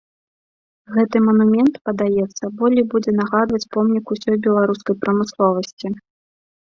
Гэты манумент, падаецца, болей будзе нагадваць помнік усёй беларускай прамысловасці.